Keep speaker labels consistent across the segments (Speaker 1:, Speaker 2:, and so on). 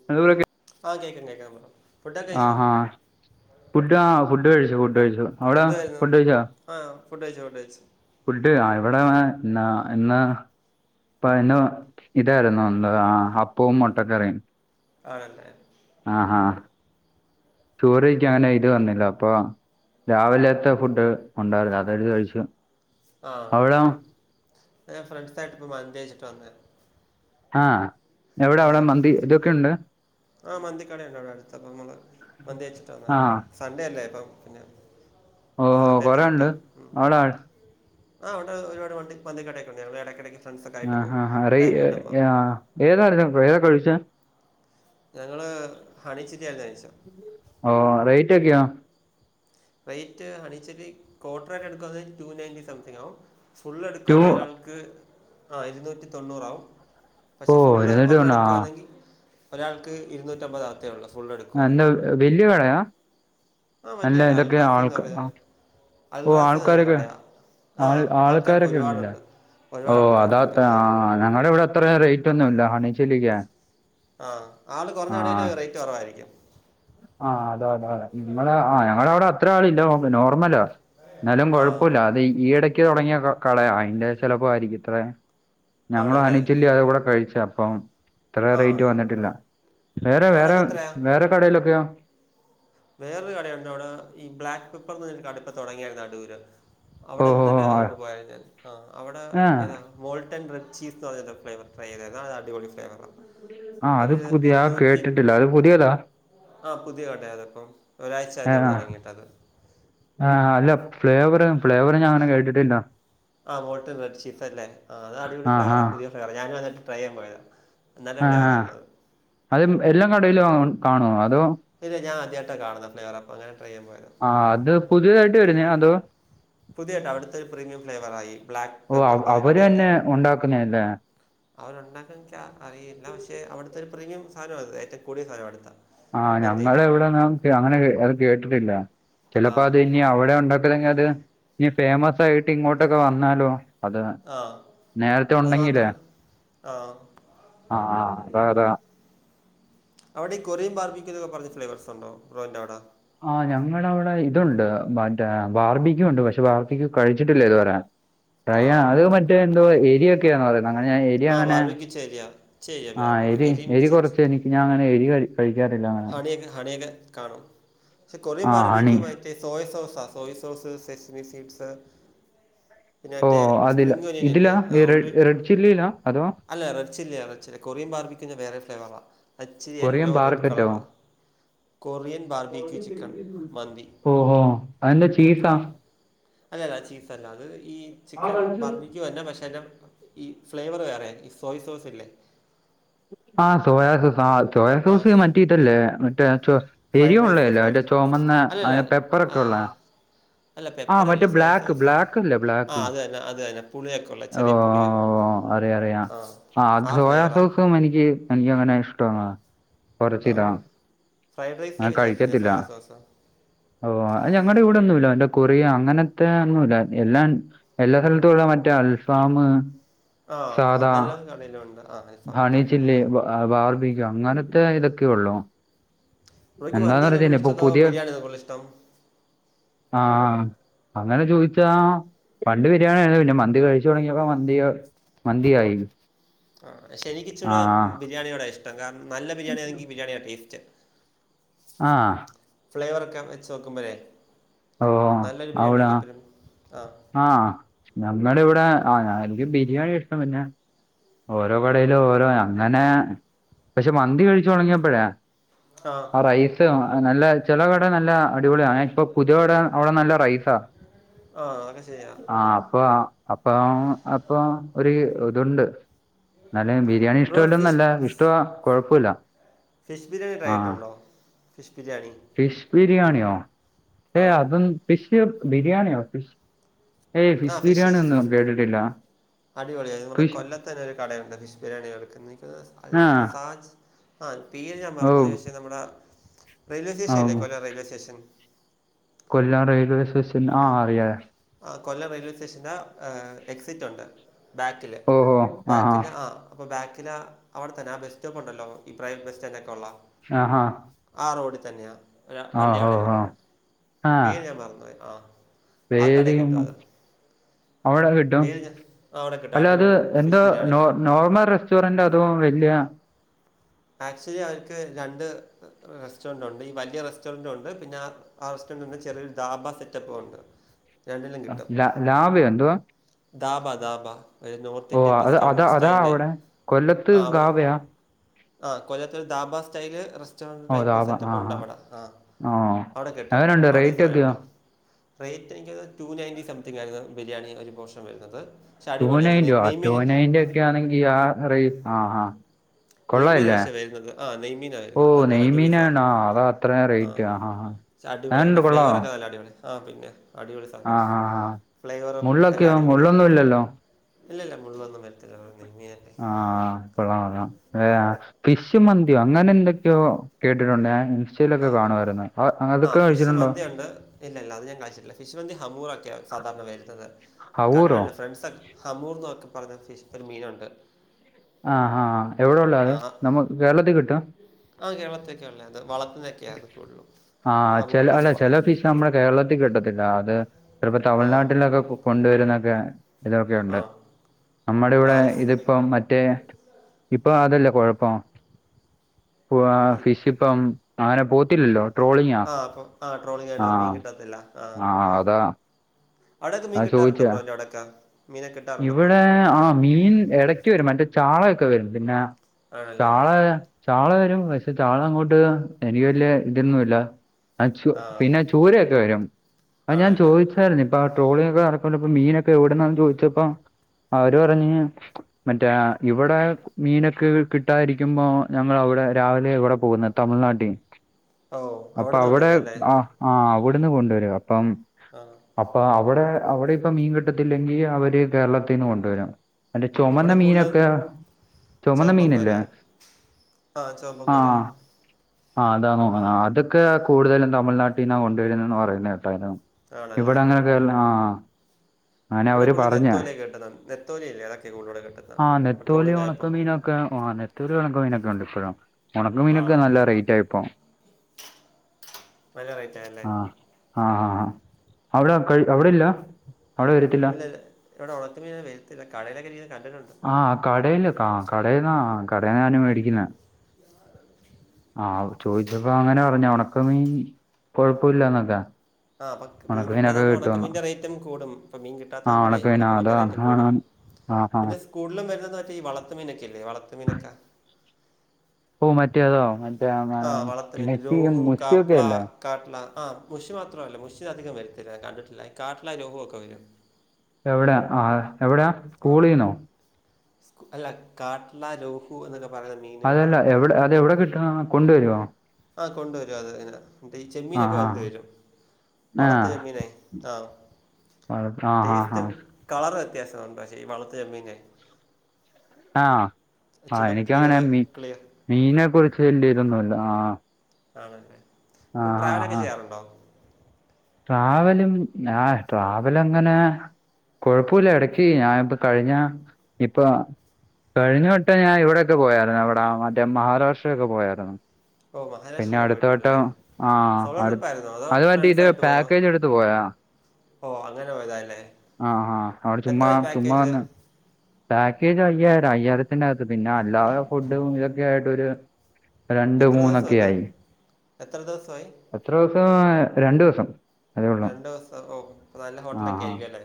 Speaker 1: [unintelligible]
Speaker 2: ആഹ് കേക്കാം കേക്കാം പറ ഫുഡൊക്കെ
Speaker 1: ആ
Speaker 2: കഴിച്ചോ
Speaker 1: ആാ ഫുഡ ആ ഫുഡ വഴിച്ചു ഫുഡ് ഴിച്ചു
Speaker 2: എന്തുവയിരുന്നു ആ ഫോട്ടോ അഴച്ചു ഫോട്ടോ അഴച്ചു
Speaker 1: ഫുഡ് ഇവിടൊ ഇന്ന് അപ്പ അന്ന് ഇതായിരുന്നു എന്ത അപ്പവും മുട്ടക്കറിയും
Speaker 2: അതതതെ
Speaker 1: ആഹഹ ചോറ്യ്ക്കാൻ അങ്ങനെ ഇത് വന്നില്ലോ അപ്പൊ രാവിലത്തെ ഫുഡ് ഉണ്ടായിരുന്നു അതാ ക്കെ കഴിിച്ചു
Speaker 2: ആ ഞാൻ ഫ്രണ്ട്സായിട്ട് ഇപ്പോൾ മന് അയച്ചിട്ട് വന്ന
Speaker 1: ആഹ എവിടെ അവിടെ മന്തി ഇതൊക്കെുണ്ട്
Speaker 2: ആ മന്തിക്കടയുണ്ട്വിടെ അടുത്ത അപ്പൾ നമ്മൾ മന്തി അയച്ചിട്ട്
Speaker 1: ആ
Speaker 2: തന്നാൽതി സൺഡേ അല്ലേ ഇപ്പം പിന്നെ
Speaker 1: ഓ
Speaker 2: സൺഡേയല്ലേ
Speaker 1: കൊറേ
Speaker 2: പറ്റു
Speaker 1: ഉണ്ട് അവിടെ ആ
Speaker 2: ആ അവിടെ ഒരുപാട് വണ്ടി പതിക്കടക്കുണ്ട് ഞ ഇടക്കിടക്ക്
Speaker 1: ആഹ് ആാ റ ഏതാണ് ഏതൊ ഒഴിച്ച
Speaker 2: ഞങ്ങള് ഹണിച്ചിട്ട ആായിരുന്നു അച്ചം
Speaker 1: ഓ റേറ്റ് ഒക്കെയാ
Speaker 2: റേറ്റ് അണിച്ചിട്ട ക്വാർട്ടർായിട്ട് എടുക്കുവ ടു നയൻറ്ററി സംതിങ് ആവും ഫുള്
Speaker 1: ടു
Speaker 2: എടുക്കുന്ന ഒരാൾക്ക് ആ ഇരുന്നൂറ്റി തൊണ്ണൂറാവും
Speaker 1: ഓ
Speaker 2: പക്ഷെ ഫുള്ള്
Speaker 1: ഇരുന്നൂറ്റി
Speaker 2: ഒരെണ്
Speaker 1: തൊണ്ണൂറോ
Speaker 2: എടുക്കുകയാണെങ്കിൽ ഒരാൾക്ക് ഇരുന്നൂറ്റമ്പതാകത്തേ ഉള്ളൂ ഫുള്ള്
Speaker 1: ആ എന്താ വലയവിളയാ
Speaker 2: ആഹ വലിയ കട അൽറാസിന്ന് പറഞ്ഞ
Speaker 1: ഓ
Speaker 2: അൽറാസിന്ന് റഞ്ഞ
Speaker 1: ആൾക്കാരൊക്കെ
Speaker 2: കടയാ
Speaker 1: ആൾ ആൾക്കാരൊക്കെ ഉണ്ടില്ല ഓ
Speaker 2: ഒരുപാട്
Speaker 1: അതാ
Speaker 2: ആൾക്കാരുണ്ട്
Speaker 1: ഞങ്ങളുടെ ഇവിടെ അത്ര റേറ്റ് ഒന്നുമ ഇല്ല ഹണി ചെലിക്ക
Speaker 2: ആ ആള് കുറഞ്ഞാണേൽ റേറ്റ് കുറവായിരിക്കും
Speaker 1: ആ അതെ അതെ അതെ നിങ്ങള് ആ ഞങ്ങ അവിടെ അത്ര ആളില്ല നോർമല എന്നാലും
Speaker 2: ആ
Speaker 1: കൊഴപ്പല്ല അത് ഈയിടയ്ക്ക് തുടങ്ങിയ കളയ അതിറെ ചിലപ്പോായിയിരിക്കും ഇത്രേ ഞങ്ങള്ൾ
Speaker 2: ആണല്ലേ
Speaker 1: അനിച്ചില്ലേ അത കൂടെ കഴിച്ച അപ്പം ഇത്ര
Speaker 2: ആ
Speaker 1: റേറ്റ് വന്നിട്ടില്ല വേറെ വേറെ
Speaker 2: അവിടെയൊക്കെ എത്രയാണ്
Speaker 1: വേറെ കടയിലൊക്കെയോ
Speaker 2: വേറൊരു കടയുണ്ടണ്ട് അവിടെ ഈ ബ്ലാക്ക് പെപ്പർ എന്ന് പറഞ്ഞ കട ഇപ്പ തുടങ്ങിയായിുന്നരുന്നു അടൂര്
Speaker 1: ഓ
Speaker 2: അവിടെ
Speaker 1: ഓ ഓ
Speaker 2: ഇന്നലെ
Speaker 1: ആ
Speaker 2: ആണ്ടുപോയത് ആ അവിടെ
Speaker 1: ആ
Speaker 2: ഏതാ മോൾട്ടൻഡ് ചീസ് അോ ഫ്ലവട്രൈത അതാണ് അടിപൊളിഫ്ലവറ ആ
Speaker 1: ആ,
Speaker 2: അത്
Speaker 1: പുതിയ ആ
Speaker 2: ഇരുന്നൂറ്റി
Speaker 1: കേട്ടിട്ടില്ല അത് പുതിയതാ
Speaker 2: ആഹ പുതിയ കട അതൊ ഒരാഴ്ച ആയിട്ട് തുടങ്ങിയിട്ടത്
Speaker 1: ആഹ അല്ല ഫ്ലേവറ് ഫ്ലേവർ ഞാ അങ്ങനെ കേട്ടിട്ടില്ലോ
Speaker 2: ആ മോട്ടൺ റെഡ് ചി്സ്ല്ലേ ആ അടിപൊടി ഫ്ലവറ
Speaker 1: ആഹാ
Speaker 2: ആ പുതിയ ഫ്ലവർ ഞാന് വന്നിട്ട്ട്രൈ ചെയ്യാൻ പോയതാണ് നല്ല
Speaker 1: ആ ആ
Speaker 2: ഫ്ലേവറായിരുന്നു അത്
Speaker 1: അത് എല്ലാം കടയിലും കാണോ അതോ
Speaker 2: ഇല്ല ഞാ ആദ്യമായിട്ടാ കാണ് ന്നെ ഫലവറപ്പ് അങ്ങന ട്ര ചെയ്യൻ പോയരുന്നു
Speaker 1: ആ അത് പുതിയതായിട്ട് വരുന്ന അതോ
Speaker 2: പുതിയട്ടോ അവിടുത്തൊ ഒരു പ്രീമിയം ഫ്ലേവർ ആായി ബ്ലാക്ക്
Speaker 1: ഓ അവ-
Speaker 2: പെപ്പർന്ന് പറഞ്ഞാ
Speaker 1: അവര്
Speaker 2: കടയല്ലേ
Speaker 1: തന്നെ ഉണ്ടാക്കുന്നതല്ലേ
Speaker 2: അവരു ഉണ്ടാക്കൻ എിക്കാ അറിയില്ല പക്ഷേ അവിടുത്തെ ഒരുരു പ്രിയം സാധനം എടുത്ത ഏറ്റവും കൂടുിയ സാധനം എടുത്താണ്
Speaker 1: ആ് ഞങ്ങള ഇവിടെന്ന അങ്ങനെ അത് കേട്ടിട്ടില്ല
Speaker 2: ആ
Speaker 1: ചിലപ്പോ അത് നനി അവിടെ ഉണ്ടാക്കലെങ്കിൽ അത് ന ഫേമസ് ആയിട്ട് ഇങ്ങോട്ടൊക്കെ വന്നാലോ അത്
Speaker 2: ആ
Speaker 1: നേരത്തെ
Speaker 2: അത്
Speaker 1: ഉണ്ടെങ്കിലേ
Speaker 2: മാത്രം ആ
Speaker 1: ആഹ ആഹ് അതെതെ
Speaker 2: അവിടെ ഈ കൊറയുംാർപ്പിക്കുന്നൊക്കെഞ്ഞ ഫലേവേ് ഉണ്ടോ റോൻ് അവിടെ
Speaker 1: ആ ഞങ്ങള അവിടെ ഇതുണ്ട് മറ്റേ ബാർബിക്ക ഉണ്ട് പക്ഷെ ബാർബിക്ക് കഴിച്ചിട്ടില്ലേ ഇത് വരാ പ്രയ
Speaker 2: ആ
Speaker 1: അത് മറ്റേ എന്തോ എലി ഒക്കെ യൊക്കെയാണോ അത് അങ്ങനയായേ
Speaker 2: ആഹ് വർമക്ക് ശരിയാ [inaudible]
Speaker 1: ആഹ് എരി എരി കുറച്ച് എനിക്ക് ഞാൻ അങ്ങനെ എരി ക കഴിക്കാറില്ല അങ്ങനെ
Speaker 2: ഹണിയൊക്കെ ഹണിയൊക്കെ കാണും പക്ഷെ കുറേ
Speaker 1: ആ ഹണി
Speaker 2: ബാർവിക്കോ soy sauce soy sauce sesame seeds പിന്നെ
Speaker 1: ഓ
Speaker 2: മറ്റേ
Speaker 1: അതില
Speaker 2: സ്പ്രിംഗ ഒനിയൻ
Speaker 1: ഇതിലാ
Speaker 2: ഇല്ലേ ആ
Speaker 1: ഈ റെഡ്
Speaker 2: ഉളളി
Speaker 1: റെഡ് ചില്ലിയിലാ അതോ
Speaker 2: അല്ല റെഡ് ചില്ലി യാ റെഡ് ചില്ലി കൊറിയൻ ബാർബക്ക്യുന് വേറെ ഫ്ലേവറ ഹച്ചി
Speaker 1: കൊറിയൻ
Speaker 2: യെല്ല റെഡ്
Speaker 1: ബാർക്കറ്റോ
Speaker 2: കളറ കൊറിയൻ ബാർബിക്ക്യു ചിക്കൻ മന്തി ആ
Speaker 1: അതന്തചീസാ
Speaker 2: അല്ല അല്ല ചീസ് അല്ല അത് ഈ ചിക്കൻ ബർബിക് ന്നെ പക്ഷേ എല്ലാം ഈ ഫ്ലേവർ വേറെ ആയിരിക്കും സോയ് സോസ് ഇല്ലേ
Speaker 1: ആഹ സോയാ സോസ് ആ സോയാ
Speaker 2: ആ
Speaker 1: സോസ് മറ്റെ ഇതല്ലേ മറ്റേ
Speaker 2: ഫ്രൈഡ് റൈസ്
Speaker 1: എരിയള്ളല്ല മറ്റെ
Speaker 2: ഫ്രൈഡ്
Speaker 1: ചുമന്ന് അതിന് പെപ്പറൊക്കെ ഉള്ള
Speaker 2: അല്ലല്ല അല്ല
Speaker 1: ആഹ
Speaker 2: പെപ്പറല്ല
Speaker 1: മറ്റേ
Speaker 2: സോയ
Speaker 1: ബ്ലാക്ക്
Speaker 2: സോസ്
Speaker 1: ബ്ലാക്ക് അല്ലേ
Speaker 2: ആ
Speaker 1: ബ്ലാക്ക്
Speaker 2: അത് തന്നെ അത് തന്നെ പുളിയൊക്കെ ഉള്ള
Speaker 1: ഓ
Speaker 2: ചെറിയ പുളിയാ
Speaker 1: ഓ അറിയ അറിയ ആ അത് സോയാ സോസും എനിക്ക് എനിക്ക്ങ്ങനെ ഇഷ്ടള്ളത കൊറച്ച്
Speaker 2: ആ
Speaker 1: ഇതാ
Speaker 2: ഫ്രൈഡ്
Speaker 1: ഞാൻ
Speaker 2: റൈസിലൊക്കെ ചേർക്കുന്ന
Speaker 1: കഴിക്കത്തില്ല
Speaker 2: സോയ സോസ്
Speaker 1: ഓ അത് ഞങ്ങടെ ഇവിടെ ഒന്നുമല്ല മറ്റേ കൊറിയ അങ്ങനത്തെ ഒന്നുംല്ല എല്ലാം എല്ലാ സ്ഥലത്തുള്ള മറ്റേ അൽഫാമ്
Speaker 2: ആ
Speaker 1: സാധാ
Speaker 2: അതെല്ലാ കടയിലും ഉണ്ട് ആ
Speaker 1: ആണി
Speaker 2: അൽഫാമൊക്കെ
Speaker 1: ചില്ലി ബാർബിക്ക്യു അങ്ങനത്തെ ഇതൊക്കെയ ഉള്ളു എന്താന്നറിയത്തില്ല ഇപ്പൊ പുതിയ
Speaker 2: അതാ കൂടുതലിഷ്ടം
Speaker 1: ആഹ ആഹ് അങ്ങനെ ചോദിച്ചാ പണ്ട് ബിരിയാണിയായിരുന്നു ആ പിന്നെ മന്തി കഴിച്ചു തുടങ്ങിയപ്പോ മന്തി മന്തിആയി
Speaker 2: ആ പക്ഷെ എനക്ക്ച്ചൂടെ ബിരിയാണിയോട ഇഷ്ട കാരണം നല്ല ബിരിയാണിയ ആണെങ്കിൽ ബിരിയാണിയടേസ്റ്റ്
Speaker 1: ആഹ്
Speaker 2: ഫ്ലേവറൊക്കെ വെച്ച് നോക്കുമ്പോഴേ
Speaker 1: ഓ
Speaker 2: നല്ലൊരു ബിരിയാണി എപ്പോഴും ആ
Speaker 1: ആഹ ഞമ്മുടെ ഇവിടെ ആഞക്ക് ബിരിയാണി ഇഷടം പിന്നെ ഓരോ കടയിലും ഓരോ അങ്ങനെ പക്ഷെ മന്തി കഴിച്ചു തുടങ്ങിയപ്പോഴേ
Speaker 2: ആഹ
Speaker 1: ആ റൈസ് നല്ല ചില കട നല്ല അടിപൊളിയണ് ഇപ്പൊ പുതിയ കടെ അവിടെ നല്ല റൈസാ
Speaker 2: ആഹ് അതക്കെ ശരിയ
Speaker 1: ആഹ അപ്പൊ അപ്പൊ അപ്പൊ ഒരു ഇതുണ്ട് എന്നാലും ബിരിയാണി
Speaker 2: ബ്രോ ഫിഷ്
Speaker 1: ഇഷ്ടമല്ലന്നല്ല ഇഷ്ട കുഴപ്പിമില്ല
Speaker 2: ഫിഷ് ബിരിയാണി ട്രൈ
Speaker 1: ആഹ
Speaker 2: ചെയ്തിട്ടുണ്ടോ ഫിഷ് ബിരിയാണി
Speaker 1: ഫിഷ് ബിരിയാണിയോ ഏ
Speaker 2: ആ
Speaker 1: അതും ഫിഷ് ബിരിയാണിയോ ഫിഷ് ഏയ് ഫിഷ് ബിരിയാണി ഒന്നും കേട്ടിട്ടില്ല ഫിഷ്
Speaker 2: തന്ന ഒരു കടയുണ്ട് ഫിഷ് ബിരിയാണികിട്ടുന്ന
Speaker 1: ആ
Speaker 2: അൽസാജ ആ പേര് ഞാൻ
Speaker 1: ഓ
Speaker 2: മറന്നു പോയി പക്ഷേ നമ്മുടെ റെയിൽവേ
Speaker 1: ആ
Speaker 2: സ്റ്റേഷൻ ഇല്ലേ കൊല്ല railway station
Speaker 1: Kollam railway station ആഹ അറിയ
Speaker 2: ആ കൊല്ലം റെയിൽവേ സ്റ്റേഷന്റെ എക്സിറ്റ് ഉണ്ട് ബാക്കില് ബാക്കില് ആ അപ്പൊ ബാക്കില അവിടെ തന്നെ ബസ് സ്റ്റോപ്പ് ഉണ്ടല്ലോ ഈ പ്രൈവറ്റ് ബസ് സ്റ്റൻഡ് ഒക്കെ ഉള്ളാ
Speaker 1: ആഹഹാ
Speaker 2: ആ റോഡിൽ തന്നെയാ വല്യ
Speaker 1: ഓ
Speaker 2: കടയാ
Speaker 1: ഓ ആ
Speaker 2: പേര് ഞാൻ മറന്നു പോയി ആ ആ
Speaker 1: പേര്
Speaker 2: കടയിൽ കിട്ടും അത്
Speaker 1: അവിടെ കിട്ടും
Speaker 2: പേര് ഞാൻ ആ അവിടെ കിട്ടും
Speaker 1: അല്ല അത്
Speaker 2: അടിപൊളി
Speaker 1: എന്താ
Speaker 2: ഫിഷ്
Speaker 1: നോ
Speaker 2: ബിരിയാണിയാണ്
Speaker 1: നോർമൽ റെസ്റ്റോറന്റ് അതോ വല്യ
Speaker 2: ആക്ച്വലി അവർക്ക് രണ്ട് റെസ്റ്റോറൻറ് ഉണ്ട്. ഈ വലിയ റെസ്റ്റോറൻറ് ഉണ്ട്. പിന്നെ റെസ്റ്റോറന്റ് ഉണ്ട് ചെറിയൊരു ദാബ സെറ്റപ്പും ഉണ്ട്. രണ്ടിലും കിട്ടും
Speaker 1: ലാ ലാവയോ എന്തുവാ
Speaker 2: ദാബ ദാബ. ഒരു നോർത്ത്
Speaker 1: ഓ
Speaker 2: ഇന്ത്യൻ
Speaker 1: അത് അതാ
Speaker 2: റെസ്റ്റോറൻറ്
Speaker 1: അതാ
Speaker 2: സ്റ്റൈലേ
Speaker 1: അവിടെ കൊല്ലത്ത്
Speaker 2: ആ അവിടെ
Speaker 1: ഗാവയാ
Speaker 2: ആഹ് കൊല്ലത്ത് ഒരു ദാബ സ്റ്റൈല് റെസ്റ്റോറന്റ്
Speaker 1: ഓ
Speaker 2: ടൈപ്പ്
Speaker 1: ധാബ ആ
Speaker 2: സെറ്റപ്പ് ഉണ്ട്. അവിടെ ആ
Speaker 1: ഓ
Speaker 2: അവിടെ കെട്ടും
Speaker 1: എങ്ങനുണ്ട്
Speaker 2: അവിടെ ഈ
Speaker 1: റേറ്റ് ഒക്കെയോ
Speaker 2: സാനുണ്ട്. റേറ്റ് എനിക്ക്ത് ടു നയൻറ്റി സംതിംഗ് ആയിരുന്നു. ബിരിയാണി ഒരു പോർഷൻ വരുന്നത്. ശാടി പൊളിയായി [unintelligible]
Speaker 1: ക്ക്യാണെങ്കി ആറ് [unintelligible] ആഹ് ആഹ് കൊള്ള
Speaker 2: നെയ്മീനാണ്
Speaker 1: അല്ലേ
Speaker 2: പക്ഷെ വരുന്നത് ആ നെയ്മീനാണ് വരുന്നത്
Speaker 1: ഓഹ്
Speaker 2: നല്ല വലിയ പീസാണ്
Speaker 1: നെയ്മീനാണോ. അതാ അത്രേ റേറ്റ്. ആഹ് ആഹ്
Speaker 2: അടിപൊളിയ ഇന്റെ ഫ്ലേവറൊക്കെ നല്ല അടിപൊളി ആ പിന്നെ. അടിപൊളി സാന
Speaker 1: ആ ആ ആ
Speaker 2: ഫ്ലേവറും എല്ലാം
Speaker 1: മുള്ളൊക്കെയോ
Speaker 2: അടിപൊളിയാ.
Speaker 1: മുള്ളൊന്നും ഇല്ലല്ലോ
Speaker 2: ഇല്ല ഇല്ല മുള്ള് ഒന്നും വര
Speaker 1: ആഹ് [unintelligible] ഫിഷ് മന്ത്യൊ അങ്ങനെ എന്തെക്കൊ കേട്ടിട്ടുണ്ട്. ലൊക്കെ കാണ്വാര്ന്ന്.
Speaker 2: ആഹ് ഫിഷ് മന്തി ഉണ്ട്. ഇല്ല ഇല്ല അത് ഞാൻ കഴിച്ചിട്ടില്ല. ഫിഷ് മന്തി ഹവ്വാക്ക്യ സാധാരണ വരുന്നത്.
Speaker 1: ഹവൂറോ
Speaker 2: കണ്ടണ്ട് ഫ്രസ് ഹമൂർ എന്നൊക്കെ പറയുന ഫിഷ് ഒരു മീനൂണ്ട്.
Speaker 1: ആഹ് ആഹ് എവിടെ ഉള്ളത്.
Speaker 2: ആ
Speaker 1: നമ്മക്ക് കേരളത്തി കിട്ടും.
Speaker 2: ആ കേരളത്തിക്കെല്ലത് [unintelligible] വളത്തിനെക്ക കിട്ടൊള്ളൂ
Speaker 1: ആഹ് ചെല അല ചെല ഫിഷ് നമ്മടെ കേരളത്തി കിട്ടത്തില്ല അത്. ചെലപ്പോ
Speaker 2: ആ
Speaker 1: തമിഴ്നാട്ടിലൊക്കെ കൊണ്ടുവരുന്നൊക്കെ
Speaker 2: ആ
Speaker 1: ഇതൊക്കെയുണ്ട്. നമ്മുടെ
Speaker 2: ആ
Speaker 1: ഇവിടെ
Speaker 2: ഇസ്-
Speaker 1: ഇത്. ഇപം മറ്റേ ഇപ്പ അതല്ല കൊഴപ്പം
Speaker 2: ഈ
Speaker 1: ഫിഷ് ഇപ്പം അങ്ങനെ പോത്തില്ലല്ലോ ട്രോളി.
Speaker 2: അപ്പൊ ആ ട്രോളിംഗ് ആയിട്ട് മീൻ കിട്ടത്തില്ല. ആ
Speaker 1: ആഹ് അതാ
Speaker 2: അവിടെ ഒക്കെ മീൻ കിട്ടാറുണ്ടാ ഇപ്പോ ന്റെ ആവിടൊക്ക?
Speaker 1: ഇവടെ ആ മീൻ എടക്ക് വെരും. മറ്റേ ചാളൊക്കെ വരും. പിന്നെ
Speaker 2: ആണല്ലേ
Speaker 1: ചാള ചാള വെരും. പക്ഷെ ചാള അങ്ങോട്ട് എനിക്ക് വല്യ ഇതൊന്നു ഇല്ല. ആഹ് ച
Speaker 2: ആ
Speaker 1: പിന്നെ ചൂരൊക്കെ വെരും. അ ഞാൻ
Speaker 2: ആണല്ലേ
Speaker 1: ചോയ്ച്ച ആരുന്നു. ഇപ്പ ട്രോളി ഒക്കെ നടകു ഇപ്പോ മീനൊക്കെ എവുട്ന്നാ ചോ യ്ച്ചെപ്പം അവര് പറഞ്ഞ് മറ്റേ ഇവടെ മീനൊക്കെ കിട്ടാതിരിക്കുമ്പോ ഞങ്ങൾ അവിടെ രാവിലെ ഇവടെ പോകുന്നത്. തമിഴ്നാട്ടീ
Speaker 2: ഓ
Speaker 1: അപ്പൊ
Speaker 2: അവിടുന്ന്
Speaker 1: അവടെ
Speaker 2: കൊണ്ടുവരും അല്ലേ
Speaker 1: ആ ആ അവിടുന്ന് കൊണ്ടുവരും അപ്പം.
Speaker 2: ആഹ്
Speaker 1: അപ്പൊ അവിടെ അവിടെ ഇപ്പ മീൻ കിട്ടത്തില്ലെങ്കി അവര് കേരളത്തിന്ന് കൊണ്ടുവരും. ചൊമന്ന
Speaker 2: ഇവിടെ കൂടുതലും
Speaker 1: മീനൊക്കെ. ചൊമന്ന
Speaker 2: ചുവപ്പൻ കോര
Speaker 1: മീനില്ലേ?
Speaker 2: ആ ചൊമ്മന്നതേ
Speaker 1: ആഹ് അതാന്നോ ആഹ് അതൊക്കെ കൂടുതലും തമിഴ്നാട്ടിന്ന കൊണ്ടുവരുന്നന്ന് പറയുന്ന കേട്ടായിരുന്നു.
Speaker 2: ആണല്ലേ
Speaker 1: ഇവടെ അങ്ങനെക്കേ [unintelligible] ആഹ് അങ്ങനെ അവര് പറഞ്ഞ
Speaker 2: കേട്ടതാണ്. നെതോല്ലി ഇല്ലെ അതെക്കെ ഒള്ളു ഇവടെ കിട്ടുന്ന ഇപ്പ ട്രോളു ങ്ങായപ്പം
Speaker 1: ക്കെ ആഹ് ന്നെത്തോലി [unintelligible] ഉണ്ട് ഇപ്പഴും [unintelligible] ഒണക്ക
Speaker 2: ആ
Speaker 1: മീനൊക്കെ നല്ല റേറ്റ് ആയിപ്പോ
Speaker 2: നല്ല റേറ്റ് ആയല്ലേ
Speaker 1: ആഹ്. ആഹ് അവിടെ കയ് അവിടെ ഇല്ല അവിടെ വരത്തില്ല.
Speaker 2: ഇല്ല ഇല്ല ഇവിടെ ഒണക്ക മീൻ വരത്തില്ല. കടയിലെക്കെ ഇരീകുനത് കണ്ടിട്ടുണ്ട്.
Speaker 1: ആഹ് കടേല് ആഹ് കടേന്ന് ആഹ് കടേ ഞാന് മേടിക്കുന്ന. ആഹ് ചോയ്ച്ചെപ്പോ അങ്ങനെ പറഞ്ഞെ. ഒണക്ക മീൻ കൊഴപ്പൊല്ലന്നൊക്കെ.
Speaker 2: ആഹ് ഇപ്പക്ക് മീൻ കിട്ടാതാവുമ്പോ ഒണക്ക മീന്റെ റേറ്റ് അങ്ങ് കൂടും. ഇപ്പ മീൻ
Speaker 1: ആഹ്
Speaker 2: കിട്ടാത്താവുമ്പരേ
Speaker 1: ഉണക്കമീൻ അതാ
Speaker 2: [unintelligible] റേറ്റ് കൂടും.
Speaker 1: ആഹ് ആഹ്
Speaker 2: പിന്നെ സ്കൂളിലും വരുന്നെന്ന് വെച്ച ഈ വളത്തു മീൻനൊക്കെല്ലെ വളത്ത് മീനൊക്കെ.
Speaker 1: ഓഹ് മറ്റേതോ മറ്റേ
Speaker 2: ആ
Speaker 1: [unintelligible] മെച്ചിയും മുഷ്യക്കെ അല്ലേ?
Speaker 2: കാട്ടില ആ മുഷി മാത്രല്ല മുഷി അധികം വരത്തില്ല കണ്ടിട്ടില്ല കാട്ടില [unintelligible] ഒക്കെ വരും
Speaker 1: എവിടെ ആ എവിടാ
Speaker 2: അഹ്,
Speaker 1: സ്കൂളീന്നോ
Speaker 2: അല്ല കാട്ട്ല ലോഹു എന്നൊക്കെ പറയുന്ന.. മീനുകളാ
Speaker 1: അതല്ല എവിടെ അതെവിടെ കിട്ടുന്ന കൊണ്ടുവെരോ..
Speaker 2: ആ കൊണ്ട് വെരും. അത് എന്നിട ഈ
Speaker 1: ആ
Speaker 2: ചെമ്മീനൊക്കെ
Speaker 1: ആ
Speaker 2: വൽത് വരും. വളർത്ത് പെമ്മീനെ. ആഹ്.
Speaker 1: ആഹ് ആഹ് ആഹ്.
Speaker 2: കളറ് വ്യത്യാവിഷ്യാണ് പഷേ ഈ വളത്ത് ജമ്മീനെ..
Speaker 1: ആഹ ആ
Speaker 2: ഇച്ചിരി ക്ലിയർ
Speaker 1: എനിക്കങ്ങനെ മീ
Speaker 2: ക്ലിയർ
Speaker 1: മീന് പൊരിചെയ്ന്റതൊന്നുല്ല. ആ..
Speaker 2: അണല്ലേയ്
Speaker 1: ആ
Speaker 2: പ്പൊ
Speaker 1: ആ
Speaker 2: ട്രാലൊക്കെ
Speaker 1: ആ
Speaker 2: ചെയ്യാറുണ്ടോ..
Speaker 1: ട്രാവലും ആ. ട്രാവലങ്ങനെ.. കൊഴപ്പോല്ല്യ ഇടക്ക് ഞാനിപ്പ കഴിഞ്ഞ ഇപ്പൊ.. കഴിഞ്ഞവട്ടം ഞാൻ ഇവിടെയക്കെ പോയിര്ന്നു അവിടെ മറ്റേ മഹാരാഷ്ട്രയൊക്കെ പോയായിര്ന്നു..
Speaker 2: ഓ
Speaker 1: പിന്നെ
Speaker 2: മഹാരാഷ്ട്രയൊക്കെ
Speaker 1: അടുത്ത വട്ടം
Speaker 2: പോയിട്ടുണ്ടല്ലേ
Speaker 1: ആഹ
Speaker 2: സോളോ
Speaker 1: അടു
Speaker 2: ട്രിപ്പായിരുന്നോ അതോ
Speaker 1: അത് മറ്റേ ഇത്
Speaker 2: ഫ്രണ്ട്സായിട്ട് പോയോ
Speaker 1: പാക്കേജ് എടുത്ത് പോയാ..
Speaker 2: ഓ അങ്ങനെ പോയതാ അല്ലേ
Speaker 1: ആഹ ആഹ അവടെ ചുമ്മാ
Speaker 2: എത്രയായി പാക്കേജ്
Speaker 1: ചുമ്മാവന്ന്.. പാക്കേജ് അയ്യായിരാ അയ്യായിരത്തിന്റെകത്ത് പിന്നെ അല്ലാതെ ഫുഡും ഇതൊക്കെ ആയിട്ടൊരു.. രണ്ട്
Speaker 2: എത്ര ദിവസം ഇത്
Speaker 1: മൂന്നൊക്കെയായി..
Speaker 2: എത്ര ദിവസായി..
Speaker 1: എത്ര ഇസം ഹ്. ഹ രണ്ടുസം..
Speaker 2: രണ്ടുസം. ഓ നല്ല
Speaker 1: ആഹ്
Speaker 2: ഹോട്ടലൊക്കെ
Speaker 1: ആഹ്
Speaker 2: ആയിരിക്കുംല്ലേ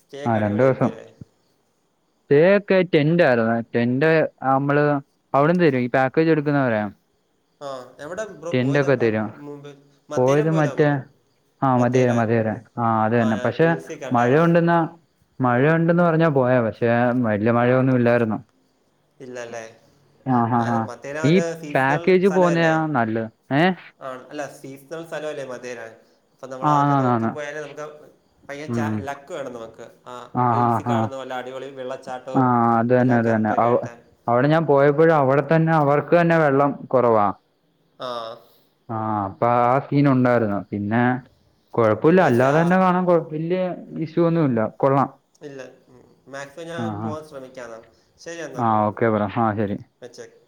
Speaker 2: സ്റ്റേക്കെ അടിപൊളിയ യിരിക്കുംല്ലേ..
Speaker 1: [unintelligible] സ്റ്റേക്കെ ടെന്റാരുന്നു ടെന്റ് അമ്മള് അവിടന്ന് തരും ഈ പാക്കേജ് എടുക്കുന്ന പറയാ..
Speaker 2: ആഹ. എവിടെം
Speaker 1: ട്ടെണ്ടോ ക്കെ തരോ പോയത്
Speaker 2: പോയതാണോ
Speaker 1: മറ്റേ.. ആഹ മതിര
Speaker 2: മത്തേരാൻ
Speaker 1: മതിര ആ അതന്നെ
Speaker 2: ഞാൻ
Speaker 1: പഷേ
Speaker 2: റീൽസിൽ കണ്ടായിരുന്നു
Speaker 1: മഴൊണ്ടെന്ന.. മഴണ്ടന്ന് പറഞ്ഞാപോയെ. പഷേ വല്ല്യമഴയൊന്നും ഇല്ലായിരുന്നു..
Speaker 2: ഇല്ലല്ലേ
Speaker 1: ആഹ ഹ ഹ
Speaker 2: അത് മത്തേരാൻ ഒരു
Speaker 1: ഈപ്പ്
Speaker 2: സീസണൽ
Speaker 1: പേക്. ക് പോന്നയ
Speaker 2: സ്ഥലമല്ലേ
Speaker 1: നല്ലത്. ഏ..
Speaker 2: ആണ് അല്ല സീസ് സ്ഥലഅല്ലേ മധേരൻ.. പ്പനമ്മളാതൊക്കെ
Speaker 1: ആന്നാന്നാന്ന്
Speaker 2: നോക്കിപ്പോയാലെ നമുക്ക്ആ ഭയങ്കയ ച.
Speaker 1: ഉം
Speaker 2: ലക്ക് വേണം നമക്ക് ആ.
Speaker 1: ഹാ
Speaker 2: റീൽസി..
Speaker 1: ഹാ
Speaker 2: കാണുന്നല്ല വല്ല അടിപൊളി
Speaker 1: ആ
Speaker 2: വെള്ളച്ചാട്ടവും
Speaker 1: അത് തന്നെ
Speaker 2: എല്ലാം
Speaker 1: അത് തന്നെ
Speaker 2: കറക്റ്റയിട്ടാ
Speaker 1: അവ
Speaker 2: കിട്ടാൻ..
Speaker 1: അവിടെ ഞാൻ പോയപ്പോഴും അവിടെ തന്നെ അവർക്ക് ന്നെ വെള്ളം കൊ റവാ..
Speaker 2: ആ ആ ആ..
Speaker 1: ആഹ പ്പ ആ സീൻ ഉണ്ടായിര്ന്നു പിന്നെ
Speaker 2: പിന്നെ
Speaker 1: കൊപ്പൊല്ല്യ
Speaker 2: മറ്റാ
Speaker 1: അല്ലാതെന്നെ കാണാൻ കൊഴ്.. വല്യ ഇഷ്യൂ ഒന്നുല്ല. കൊള്ളാം..
Speaker 2: ഇല്ല മാക്സൊ
Speaker 1: ആ
Speaker 2: ഞാൻ
Speaker 1: ആ
Speaker 2: പോവാൻ ശ്രമിക്കാംന്ന.
Speaker 1: ആ ഓക്കെ ബ്രോ ആ ശരി
Speaker 2: [unintelligible] പചെക്..